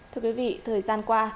thưa quý vị thời gian qua